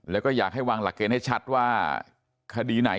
แล้วก็อยากให้วางหลักเกณฑ์ให้ชัดว่าคดีไหน